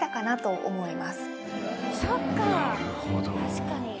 確かに。